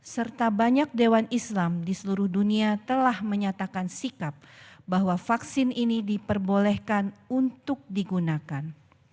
serta banyak dewan islam di seluruh dunia telah menyatakan sikap bahwa vaksin ini diperbolehkan untuk digunakan